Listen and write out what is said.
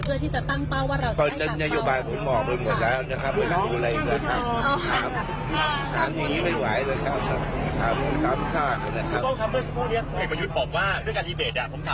บอกว่าขอคิดอยู่ก่อนค่ะคุณป้องคิดได้มั้ยแหละบ้างค่ะ